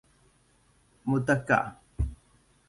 متکا